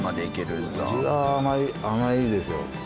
甘い甘いですよ。